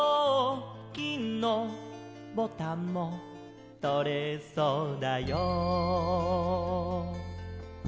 「金のボタンもとれそうだよ」